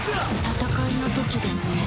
戦いの時ですね